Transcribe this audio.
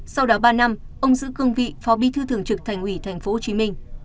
sau đó ba năm ông giữ cương vị phó bí thư thường trực thành ủy tp hcm